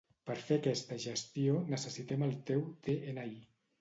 Per fer aquesta gestió necessitem el teu de-ena-i.